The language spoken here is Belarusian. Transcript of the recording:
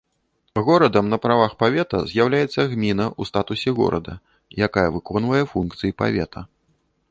Горадам на правах павета з'яўляецца гміна ў статусе горада, якая выконвае функцыі павета.